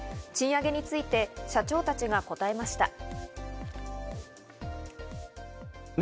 賃上げについて社長たちが答えました。